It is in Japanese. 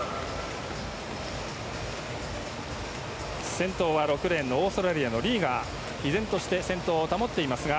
先頭は６レーンのオーストラリアのリーが依然として先頭を保っていますが。